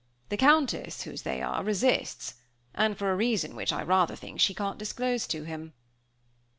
The Countess, whose they are, resists, and for a reason which, I rather think, she can't disclose to him."